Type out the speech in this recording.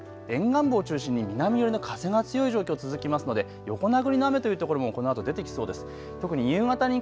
沿岸部を中心に南寄りの風が強い状況、続きますので横殴りの雨という所もこのあと出てきそうです。